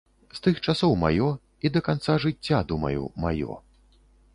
З тых часоў маё і да канца жыцця, думаю, маё.